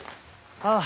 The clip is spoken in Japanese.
ああ。